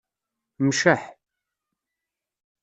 Mceḥ.